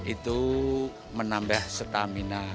itu menambah stamina